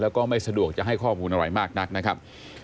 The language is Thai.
แล้วก็ไม่สะดวกจะให้ข้อมูลอะไรมากนักนะครับ